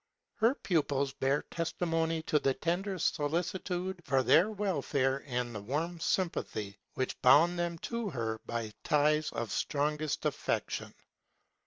'' Her pupils bear testimony to the tender solicitude for their welfJEUne and the warm sympathy which bound them to her by ties of strongest afiection.